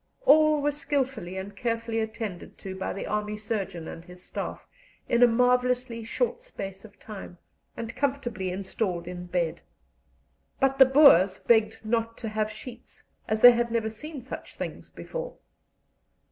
All were skilfully and carefully attended to by the army surgeon and his staff in a marvellously short space of time, and comfortably installed in bed. But the Boers begged not to have sheets, as they had never seen such things before.